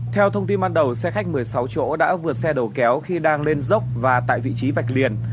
theo thông tin ban đầu xe khách một mươi sáu chỗ đã vượt xe đầu kéo khi đang lên dốc và tại vị trí vạch liền